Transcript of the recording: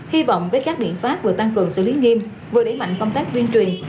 hy vọng với các biện pháp vừa tăng cường xử lý nghiêm vừa đẩy mạnh công tác tuyên truyền